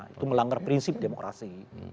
itu melanggar prinsip demokrasi